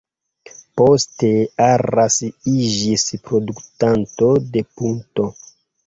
Poste Arras iĝis produktanto de punto.